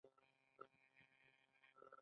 ایران او افغانستان.